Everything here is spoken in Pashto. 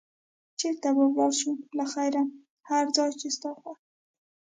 چېرته به ولاړ شو له خیره؟ هر ځای چې ستا خوښ وي.